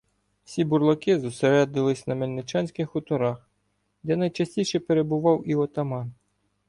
Всі бурлаки зосередились на Мельиичанських хуторах, де найчастіше перебував і отаман.